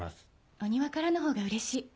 お庭からのほうが嬉しい。